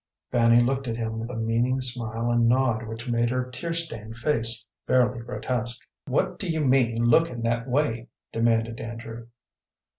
Fanny looked at him with a meaning smile and nod which made her tear stained face fairly grotesque. "What do you mean lookin' that way?" demanded Andrew.